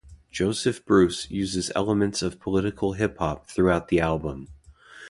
Joseph Bruce uses elements of political hip hop throughout the album.